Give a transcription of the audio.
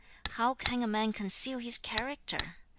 4. 'How can a man conceal his character?